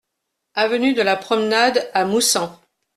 Avenue de la Promenade à Moussan